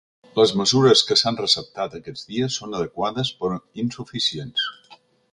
Les mesures que s’han receptat aquests dies són adequades però insuficients.